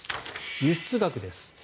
輸出額です。